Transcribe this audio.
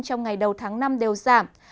trong ngày đầu tháng năm đều giảm